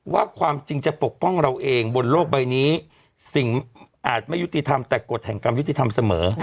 ความจริงจะปกป้องเราเองบนโลกใบนี้สิ่งอาจไม่ยุติธรรมแต่กฎแห่งกรรมยุติธรรมเสมอ